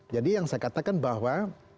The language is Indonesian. jadi yang saya katakan bahwa